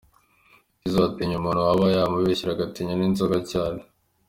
Tizzo : atinya umuntu waba yamubeshyera agatinya n’inzoka cyane.